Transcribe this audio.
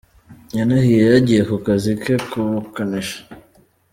Yanahiye yagiye ku kazi ke k’ubukanishi.